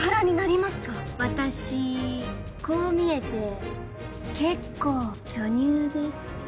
「私こう見えて結構巨乳です」